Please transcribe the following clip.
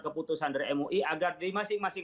keputusan dari mui agar di masing masing